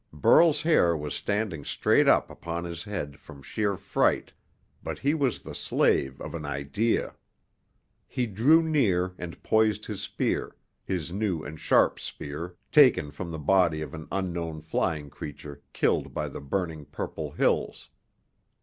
Burl's hair was standing straight up upon his head from sheer fright, but he was the slave of an idea. He drew near and poised his spear, his new and sharp spear, taken from the body of an unknown flying creature killed by the burning purple hills.